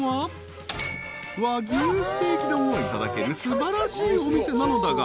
［和牛ステーキ丼をいただける素晴らしいお店なのだが］